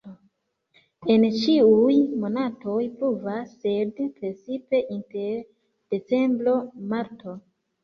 En ĉiuj monatoj pluvas, sed precipe inter decembro-marto.